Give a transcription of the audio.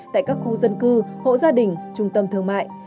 tại các khu dân cư hộ gia đình trung tâm thương mại